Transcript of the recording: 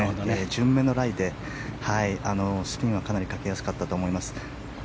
順目のライでスピンはかなりかけやすかったと思います。